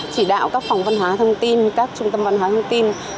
chỉ đạo các phòng văn hóa thông tin các trung tâm văn hóa thông tin